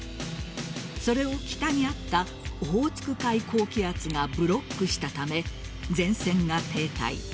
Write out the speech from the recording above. それを北にあったオホーツク海高気圧がブロックしたため前線が停滞。